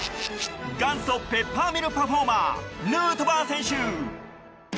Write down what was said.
元祖ペッパーミルパフォーマーヌートバー選手！